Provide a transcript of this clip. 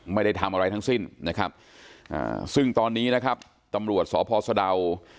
ไม่ได้ทำอะไรทั้งสิ้นนะครับอ่าซึ่งตอนนี้นะครับตำรวจสพสะดาว